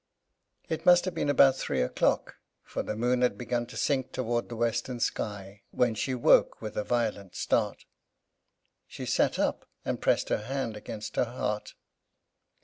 It must have been about three o'clock, for the moon had begun to sink towards the western sky, when she woke, with a violent start. She sat up, and pressed her hand against her heart.